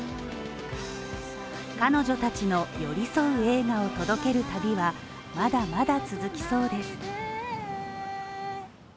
彼女たちの寄り添う映画を届ける旅はまだまだ続きそうです。